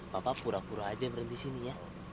papa pura pura aja berhenti sini ya